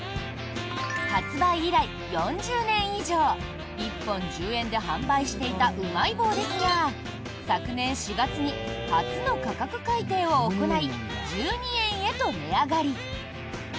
発売以来４０年以上１本１０円で販売していたうまい棒ですが昨年４月に初の価格改定を行い１２円へと値上がり。